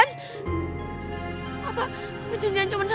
sampai disini nathan